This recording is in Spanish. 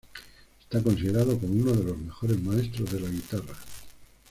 Está considerado como uno de los mejores maestros de la guitarra.